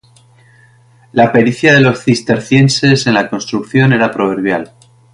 La pericia de los cistercienses en la construcción era proverbial.